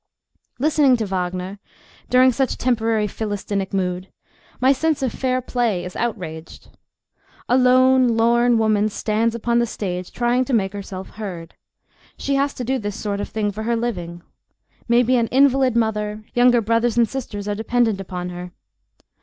Listening to Wagner, during such temporary Philistinic mood, my sense of fair play is outraged. A lone, lorn woman stands upon the stage trying to make herself heard. She has to do this sort of thing for her living; maybe an invalid mother, younger brothers and sisters are dependent upon her.